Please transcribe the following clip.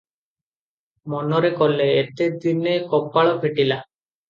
ମନରେ କଲେ, ଏତେ ଦିନେ କପାଳ ଫିଟିଲା ।